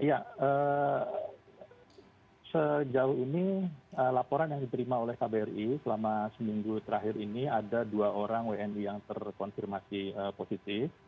ya sejauh ini laporan yang diterima oleh kbri selama seminggu terakhir ini ada dua orang wni yang terkonfirmasi positif